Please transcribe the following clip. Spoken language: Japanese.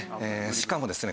しかもですね